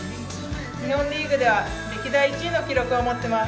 日本リーグでは歴代１位の記録を持っています。